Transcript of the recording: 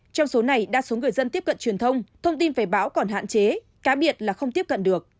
trong số này đa số người dân tiếp cận truyền thông thông tin về báo còn hạn chế cá biệt là không tiếp cận được